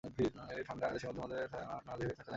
এ ঠাণ্ডা দেশে মধ্যে মধ্যে নাক না ঝেড়ে থাকা যায় না।